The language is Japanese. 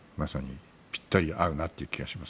ぴったり合うなという気がします。